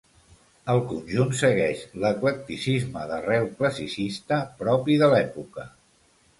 El conjunt segueix l'eclecticisme d'arrel classicista propi de l'època.